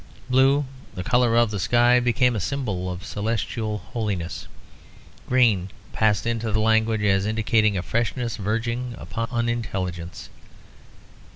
Blue, the colour of the sky, became a symbol of celestial holiness; green passed into the language as indicating a freshness verging upon unintelligence.